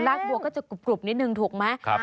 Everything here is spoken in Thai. บัวก็จะกรุบนิดนึงถูกไหม